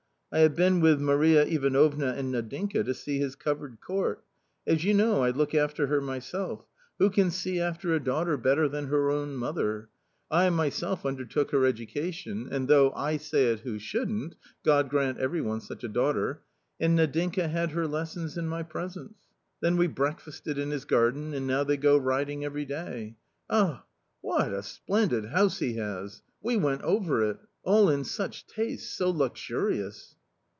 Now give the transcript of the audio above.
I have been with Maria Ivanovna and Nadinka to see his covered court. As you know, I look after her myself ; who can see after a daughter better than 112 A COMMON STORY her own mother ? I myself undertook her education and though I say it who shouldn't — God grant every one such a daughter ! And Nadinka had her lessons in my presence. Then we breakfasted in his garden, and now they go riding every day. Ah ! what a splendid house he has ! we went over it ; all in such taste, so luxurious